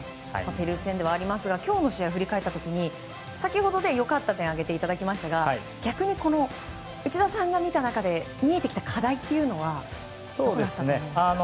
ペルー戦ではありますが今日の試合を振り返った時に先ほど良かった点を挙げていただきましたが逆に内田さんが見た中で見えてきた課題というのはどういうところですか？